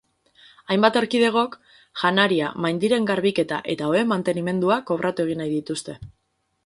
Hainbat erkidegok janaria, maindireen garbiketa eta oheen mantenimendua kobratu egin nahi dituzte.